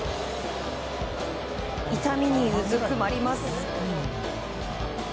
痛みにうずくまります。